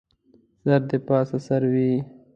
سر دې پاسه سر وي